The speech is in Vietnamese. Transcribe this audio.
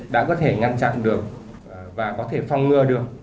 đã có thể ngăn chặn được và có thể phong ngừa được